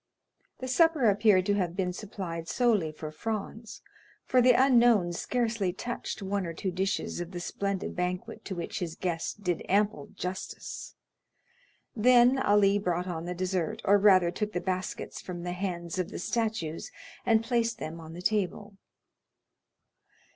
The supper appeared to have been supplied solely for Franz, for the unknown scarcely touched one or two dishes of the splendid banquet to which his guest did ample justice. Then Ali brought on the dessert, or rather took the baskets from the hands of the statues and placed them on the table.